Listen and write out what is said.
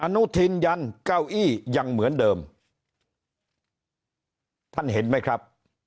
อนุทินยันเก้าอี้ยังเหมือนเดิมท่านเห็นไหมครับ